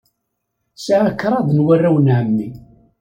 Sɛiɣ kraḍ n warraw n ɛemmi.